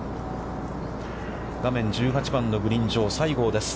画面は、１８番のグリーン上、西郷です。